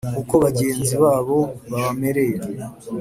uko bagenzi babo babamereye.